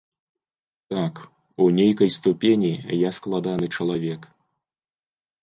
Так, у нейкай ступені я складаны чалавек.